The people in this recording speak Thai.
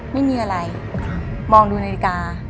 ไม่มีอะไรมองดูนาฬิกา